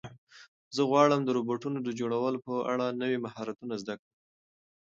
زه غواړم د روبوټونو د جوړولو په اړه نوي مهارتونه زده کړم.